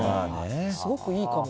すごくいいかも。